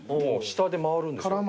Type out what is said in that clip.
下で回るんですよ。